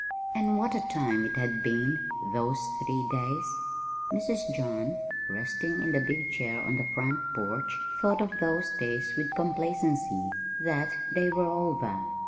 And what a time it had been those three days! Mrs. John, resting in the big chair on the front porch, thought of those days with complacency that they were over.